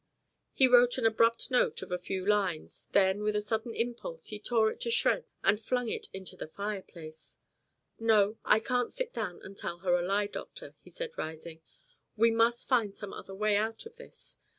He wrote an abrupt note of a few lines. Then with a sudden impulse he tore it to shreds and flung it into the fireplace. "No, I can't sit down and tell her a lie, doctor," he said rising. "We must find some other way out of this.